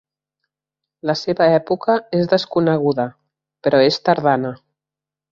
La seva època és desconeguda, però és tardana.